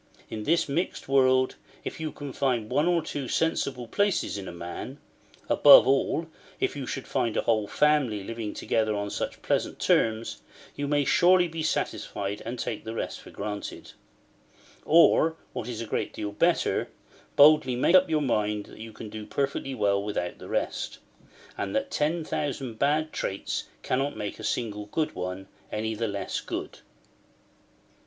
In this mixed world, if you can find one or two sensible places in a man—above all, if you should find a whole family living together on such pleasant terms—you may surely be satisfied, and take the rest for granted; or, what is a great deal better, boldly make up your mind that you can do perfectly well without the rest; and that ten thousand bad traits cannot make a single good one any the less good.